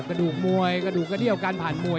กระดูกมวยกระดูกกระเดี้ยวการผ่านมวย